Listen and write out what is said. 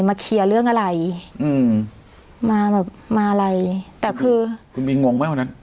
เคลียร์เรื่องอะไรอืมมาแบบมาอะไรแต่คือคุณมีงงไหมวันนั้น